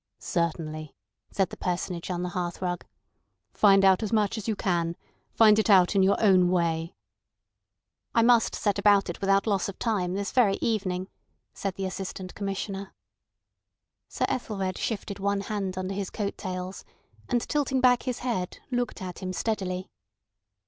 "Certainly," said the Personage on the hearthrug. "Find out as much as you can; find it out in your own way." "I must set about it without loss of time, this very evening," said the Assistant Commissioner. Sir Ethelred shifted one hand under his coat tails, and tilting back his head, looked at him steadily.